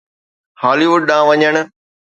هالي wood ڏانهن وڃڻ